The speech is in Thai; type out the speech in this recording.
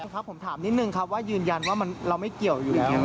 แต่ไม่คิดทำอยู่แล้ว